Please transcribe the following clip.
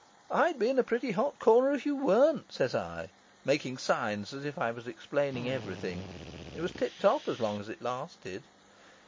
"I'd be in a pretty hot corner if you weren't," says I, making signs as if I was explaining everything. It was tip top as long as it lasted.